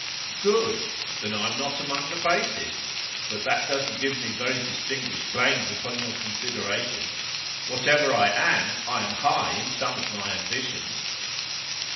'Good! Then I am not among the basest. But that doesn't give me very distinguished claims upon your consideration. Whatever I am, I am high in some of my ambitions.